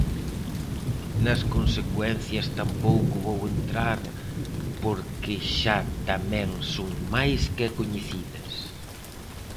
Nas consecuencias tampouco vou entrar porque xa tamén son máis que coñecidas.